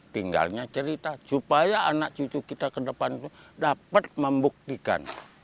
tinggalnya cerita supaya anak cucu kita ke depan itu dapat membuktikan